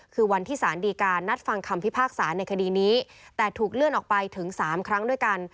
คือวันที่สารดีการนัดฟังคำพิพากษาในคดีนี้แต่ถูกเลื่อนออกไปถึง๓ครั้งด้วยกัน